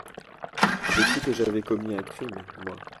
J’ai cru que j’avais commis un crime, moi.